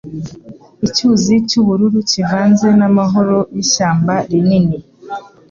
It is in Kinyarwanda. Icyuzi cy'ubururu kivanze n'amahoro y'ishyamba rinini